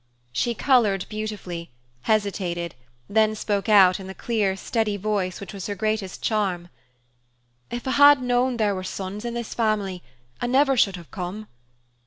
She colored beautifully, hesitated, then spoke out in the clear, steady voice which was her greatest charm, "If I had known there were sons in this family, I never should have come.